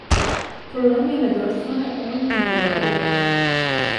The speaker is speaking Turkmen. puldan ýene dört sany on müňlügi aldy.